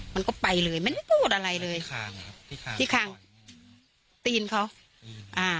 มันก็ไปเลยไม่ได้พูดอะไรเลยที่ข้างที่ข้างตีนเขาอ่า